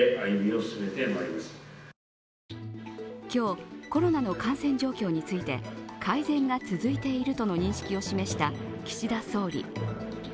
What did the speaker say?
今日、コロナの感染状況について、改善が続いているとの認識を示した岸田総理。